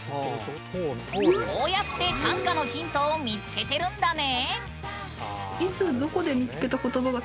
こうやって短歌のヒントを見つけてるんだね。